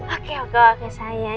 oke oke oke sayang